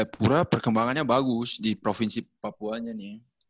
di jayapura perkembangannya bagus di provinsi papuanya nih